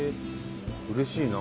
うれしいな。